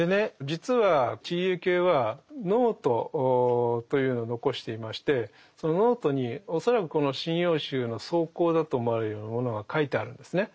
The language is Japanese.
実は知里幸恵はノートというのを残していましてそのノートに恐らくこの「神謡集」の草稿だと思われるようなものが書いてあるんですね。